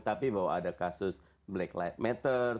tapi bahwa ada kasus black lives matter